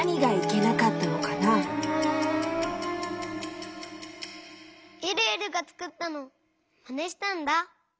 えるえるがつくったのをまねしたんだ。